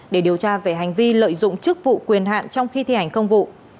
để điều tra về hành vi lợi dụng chức vụ quyền hạn trong khi thi hành công vụ